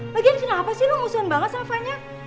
lagian kenapa sih lo musuhan banget sama vanya